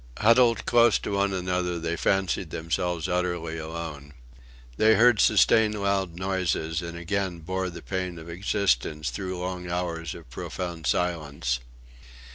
Huddled close to one another, they fancied themselves utterly alone. They heard sustained loud noises, and again bore the pain of existence through long hours of profound silence.